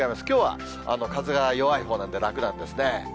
きょうは風が弱いほうなんで、楽なんですね。